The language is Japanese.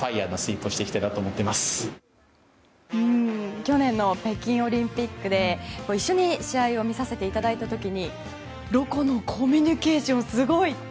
去年の北京オリンピックで一緒に試合を見させていただいた時にロコのコミュニケーションすごい！って